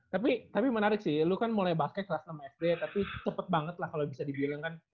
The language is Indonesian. nah tapi menarik sih lu kan mulai basket lah ke mas fd tapi cepet banget lah kalo bisa dibilang kan